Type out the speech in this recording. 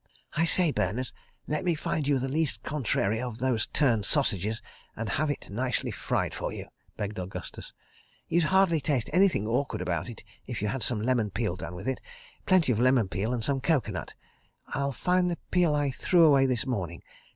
"I say, Berners. Let me find you the least contrary of those turned sausages, and have it nicely fried for you," begged Augustus. "You'd hardly taste anything awkward about it if you had some lemon peel done with it. Plenty of lemon peel and some coco nut. I'll find the peel I threw away this morning.